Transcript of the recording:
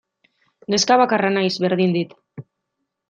Neska bakarra naiz, berdin dit.